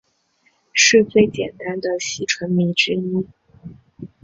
是最简单的烯醇醚之一。